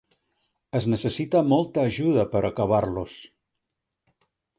Es necessita molta ajuda per acabar-los.